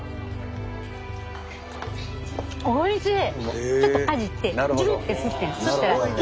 おいしい！